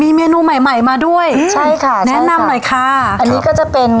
มีเมนูใหม่ใหม่มาด้วยใช่ค่ะแนะนำหน่อยค่ะอันนี้ก็จะเป็น